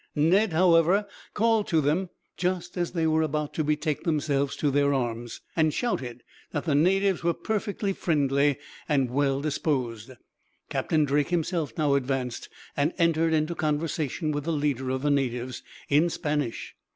Ned, however, called to them just as they were about to betake themselves to their arms, and shouted that the natives were perfectly friendly, and well disposed. Captain Drake himself now advanced, and entered into conversation with the leader of the natives, in Spanish.